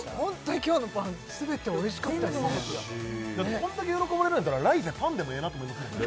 こんだけ喜ばれるんやったら来世パンでもええなと思いますよね